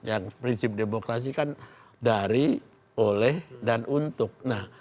yang prinsip demokrasi kan dari oleh dan untuk